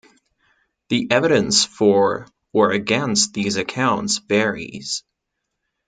The evidence for or against these accounts varies.